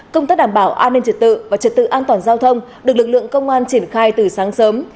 công tác đảm bảo an ninh trật tự và trật tự an toàn giao thông được lực lượng công an triển khai từ sáng sớm